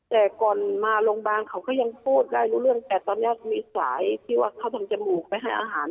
แต่ก่อนมาโรงพยาบาลเขาก็ยังพูดได้รู้เรื่องแต่ตอนนี้มีสายที่ว่าเขาทำจมูกไปให้อาหาร